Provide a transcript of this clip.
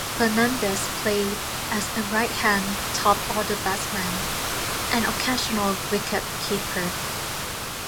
Fernandes played as a right-handed top-order batsman and occasional wicket-keeper.